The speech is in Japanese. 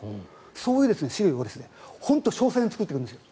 そういう資料を本当に詳細に作ってくるんですよ